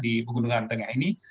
di gunungan tengah ini